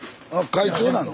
会長なの？